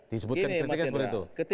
disebutkan kritiknya seperti itu